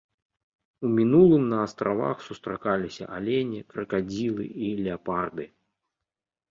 У мінулым на астравах сустракаліся алені, кракадзілы і леапарды.